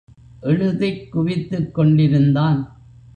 எழுதிக் குவித்துக் கொண்டிருந்தான்.